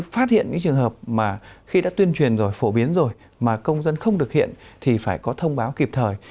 phát hiện những trường hợp mà khi đã tuyên truyền rồi phổ biến rồi mà công dân không thực hiện thì phải có thông báo kịp thời